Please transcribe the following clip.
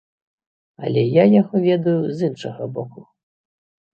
Але я яго ведаю з іншага боку.